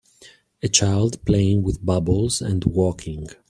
A child playing with bubbles and walking.